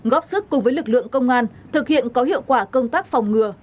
góp sức cùng với lực lượng công an thực hiện có hiệu quả công tác phòng ngừa